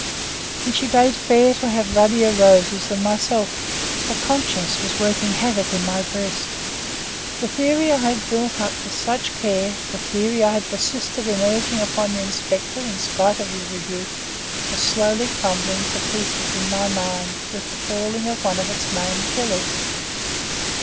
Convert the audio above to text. And she bade fair to have ruddier roses than myself, for conscience was working havoc in my breast. The theory I had built up with such care, the theory I had persisted in urging upon the inspector in spite of his rebuke, was slowly crumbling to pieces in my mind with the falling of one of its main pillars.